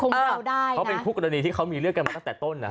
คงว่าได้นะเขาเป็นคุกกรณีที่เขามีเลือกกันมาตั้งแต่ต้นนะ